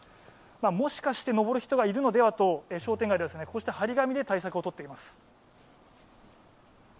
もしかして登る人がいるのではと、商店街ではこうした貼り紙で対策をしています。